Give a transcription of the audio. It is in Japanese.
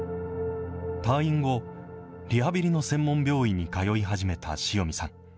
退院後、リハビリの専門病院に通い始めた塩見さん。